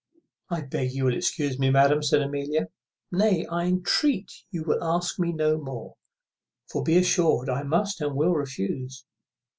"I beg you will excuse me, madam," said Amelia; "nay, I entreat you will ask me no more; for be assured I must and will refuse.